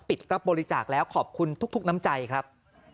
รับบริจาคแล้วขอบคุณทุกน้ำใจครับ